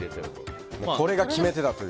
これが決め手という。